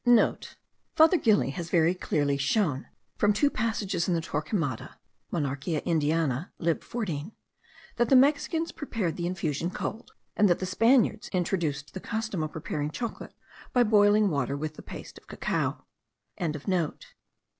(* Father Gili has very clearly shown, from two passages in Torquemada (Monarquia Indiana, lib. 14) that the Mexicans prepared the infusion cold, and that the Spaniards introduced the custom of preparing chocolate by boiling water with the paste of cacao.)